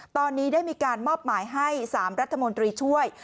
ตอนนี้ได้มีการมอบหมายให้๓รัฐมนตรีช่วย